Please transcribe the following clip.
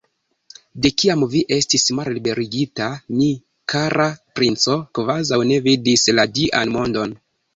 De kiam vi estis malliberigita, mi, kara princo, kvazaŭ ne vidis la Dian mondon!